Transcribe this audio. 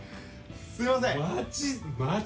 すみません。